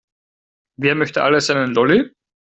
Wer möchte alles einen Lolli?